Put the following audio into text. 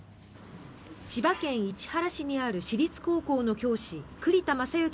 千葉県市原市にある私立高校の教師栗田正行